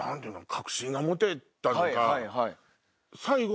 確信が持てたのか。